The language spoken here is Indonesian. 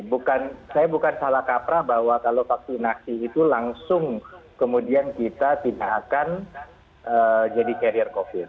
bukan saya bukan salah kaprah bahwa kalau vaksinasi itu langsung kemudian kita tidak akan jadi carrier covid